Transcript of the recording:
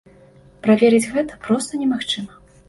Праверыць гэта проста немагчыма.